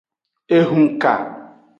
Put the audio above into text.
Ehunka.